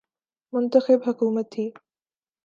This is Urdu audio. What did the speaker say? منتخب حکومت تھی۔